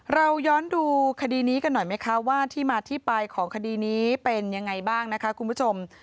เราย้อนดูคดีนี้กันหน่อยไหมคะว่าที่มาที่ไปของคดีนี้เป็นยังไงบ้างนะคะคุณผู้ชม